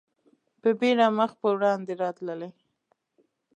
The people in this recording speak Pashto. په بېړه مخ په وړاندې راتللې.